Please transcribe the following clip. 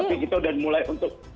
tapi kita udah mulai untuk